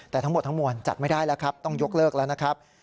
แต่ทั้งหมดทั้งมวลจัดไม่ได้แล้วครับต้องยกเลิกแล้วนะครับ